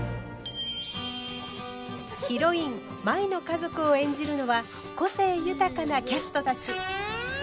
ヒロイン舞の家族を演じるのは個性豊かなキャストたち。